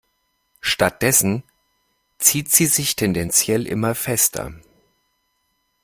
Stattdessen zieht sie sich tendenziell immer fester.